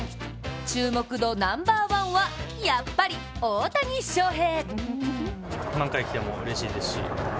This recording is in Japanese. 注目度ナンバーワンは、やっぱり大谷翔平。